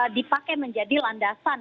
dipakai menjadi landasan